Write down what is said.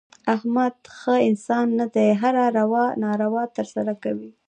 احمد ښه انسان نه دی. هره روا ناروا ترسه کوي.